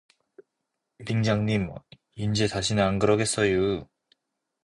"빙장님! 인제 다시는 안그러겠어유!"